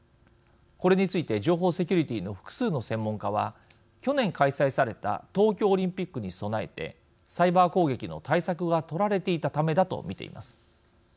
これについて情報セキュリティーの複数の専門家は去年、開催された東京オリンピックに備えてサイバー攻撃の対策が取られていたためだと見ています。